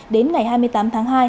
đến ngày hai mươi tám tháng hai